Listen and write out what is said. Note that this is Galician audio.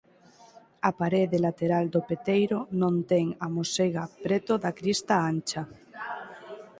A parede lateral do peteiro non ten amosega preto da crista ancha.